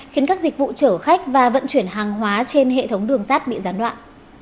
khiến các dịch vụ chở khách và vận chuyển hàng hóa trên hệ thống đường sắt bị gián đoạn